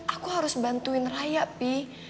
aku harus bantuin raya pi